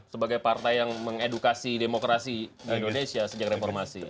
sebagai partai yang mengedukasi demokrasi indonesia sejak reformasi